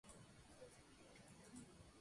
Anteriormente hubo otros esquemas.